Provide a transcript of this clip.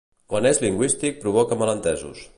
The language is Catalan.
Quan és lingüístic provoca malentesos.